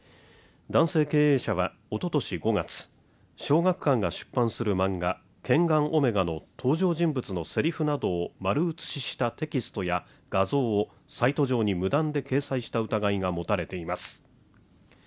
男性経営者はおととし５月小学館が出版する漫画「ケンガンオメガ」の登場人物のセリフなどを丸写ししたテキストや画像をサイト上に無断で掲載した疑いが持たれています